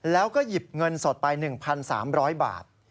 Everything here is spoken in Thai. แล้วก็หยิบเงินสดไป๑๓๐๐บาท